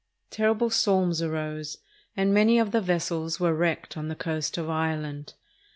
Terrible storms arose, and many of the vessels were wrecked on the coast of Ireland.